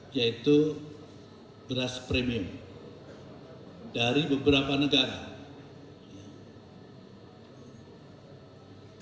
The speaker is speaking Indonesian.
yaitu beras premium dari beberapa negara